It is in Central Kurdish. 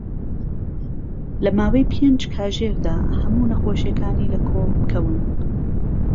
لەماوەی پێنج كاژێردا هەموو نەخۆشیەكانی لە كۆڵ بكەون